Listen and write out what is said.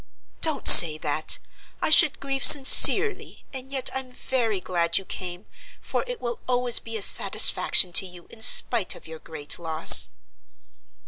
"Don't say that! I should grieve sincerely; and yet I'm very glad you came, for it will always be a satisfaction to you in spite of your great loss."